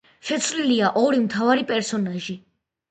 შეცვლილია ორი მთავარი პერსონაჟი.